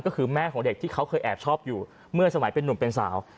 ก็คือแม่ของเด็กที่เขาเคยแอบชอบอยู่เมื่อสมัยเป็นนุ่มเป็นสาว